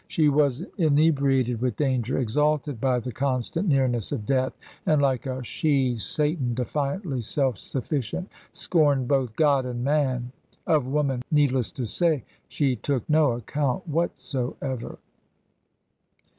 She was inebriated with danger, exalted by the constant nearness of death, and, like a she Satan, defiantly self sufficient, scorned both God and man. Of woman, needless to say, she took no account whatsoever.